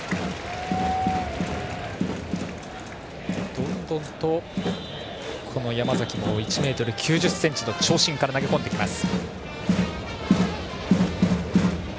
どんどんと、この山崎も１ｍ９０ｃｍの長身から投げ込んできます。